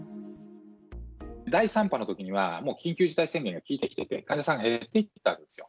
第３波のときには、緊急事態宣言が効いてきてて、患者さんが減っていったんですよ。